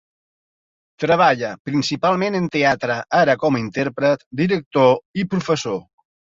Treballa principalment en teatre ara com a intèrpret, director i professor.